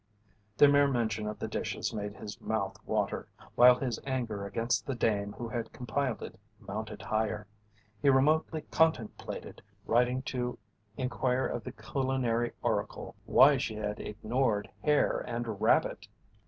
The mere mention of the dishes made his mouth water, while his anger against the dame who had compiled it mounted higher. He remotely contemplated writing to inquire of the culinary oracle why she had ignored hare and rabbit.